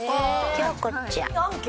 京子ちゃん。